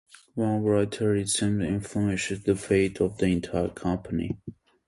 One writer, it seems, influences the fate of an entire company.